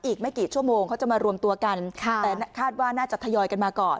อีกไม่กี่ชั่วโมงเขาจะมารวมตัวกันแต่คาดว่าน่าจะทยอยกันมาก่อน